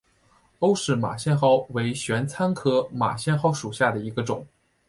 欧氏马先蒿为玄参科马先蒿属下的一个种。